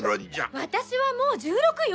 「私はもう１６よ。